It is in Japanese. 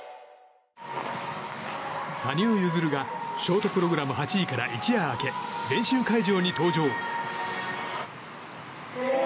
羽生結弦がショートプログラム８位から一夜明け、練習会場に登場。